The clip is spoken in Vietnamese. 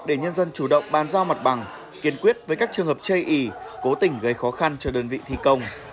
để nhân dân chủ động bàn giao mặt bằng kiên quyết với các trường hợp chây ý cố tình gây khó khăn cho đơn vị thi công